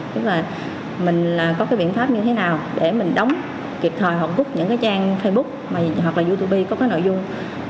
tức là mình có cái biện pháp như thế nào để mình đóng kịp thời hoặc bút những trang facebook hoặc là youtube có cái nội dung